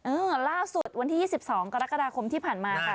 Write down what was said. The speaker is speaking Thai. ล่าสุดวันที่๒๒กรกฎาคมที่ผ่านมาค่ะ